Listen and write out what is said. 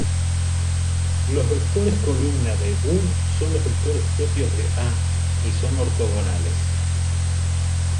Los vectores columna de "U" son los vectores propios de A y son ortogonales.